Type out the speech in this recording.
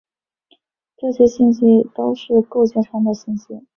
这些信息都是结构上的信息。